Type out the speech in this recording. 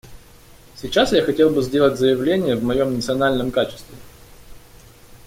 Сейчас я хотел бы сделать заявления в моем национальном качестве.